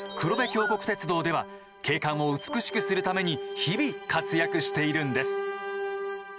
鉄道では景観を美しくするために日々活躍しているんです。